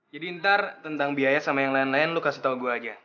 jadi ntar tentang biaya sama yang lain lain lo kasih tau gue aja